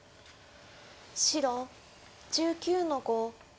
白１９の五ハネ。